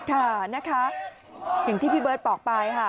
ค่ะนะคะอย่างที่พี่เบิร์ตบอกไปค่ะ